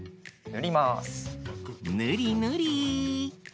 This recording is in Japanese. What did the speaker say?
ぬりぬり。